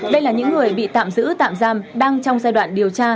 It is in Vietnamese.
đây là những người bị tạm giữ tạm giam đang trong giai đoạn điều tra